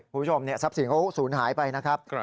คุณผู้ชมทรัพย์สินเขาศูนย์หายไปนะครับ